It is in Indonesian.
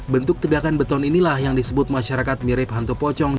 bentuk tegakan beton inilah yang disebut masyarakat mirip hantu pocong